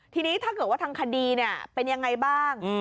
ทีนี้ถ้าเกิดว่าทางคดีเป็นยังไงบ้าง